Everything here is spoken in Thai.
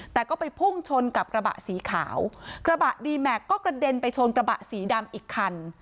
แต่ก็ไปพุ่งชนกับกระบะสีขาวกระบะดีแม็กซก็กระเด็นไปชนกระบะสีดำอีกคัน